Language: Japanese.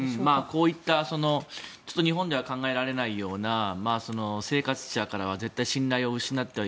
こういった日本では考えられないような生活者からは絶対に信頼を失っては